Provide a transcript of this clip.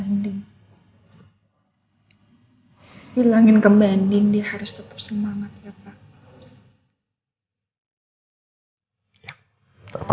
hilangin ke banding di harus tetap semangat ya pak